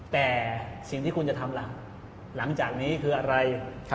แต่สิ่งที่คุณจะทำล่ะหลังจากนี้คืออะไร